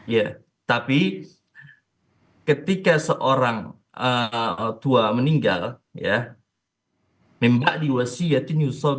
ya tapi ketika seorang tua meninggal ya